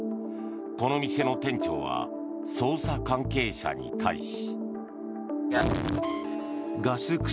この店の店長は捜査関係者に対し。